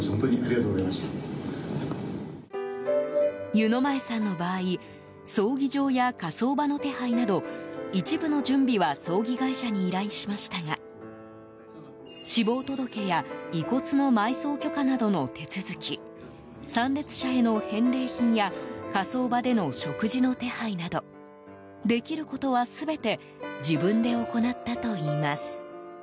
湯前さんの場合葬儀場や火葬場の手配など一部の準備は葬儀会社に依頼しましたが死亡届や遺骨の埋葬許可などの手続き参列者への返礼品や火葬場での食事の手配などできることは全て自分で行ったといいます。